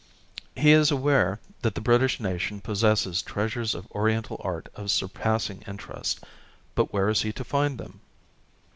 He is aware that the British nation possesses treasures of Oriental art of surpassing interest, but where is he to find them